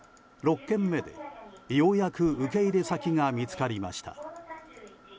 ６軒目で、ようやく受け入れ先が見つかりました。